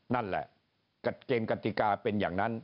นั่นแหละเกณฑ์กติกาเป็นอย่างนั้น